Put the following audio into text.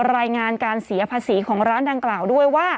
รายงานการเสียภาษีของร้านดังกล่าวด้วยว่า